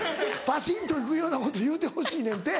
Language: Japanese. バシンと行くようなこと言うてほしいねんて。